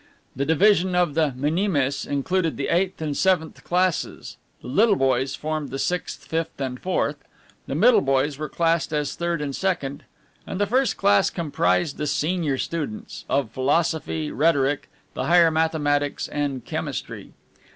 The division of the minimes included the eighth and seventh classes; the little boys formed the sixth, fifth, and fourth; the middle boys were classed as third and second; and the first class comprised the senior students of philosophy, rhetoric, the higher mathematics, and chemistry.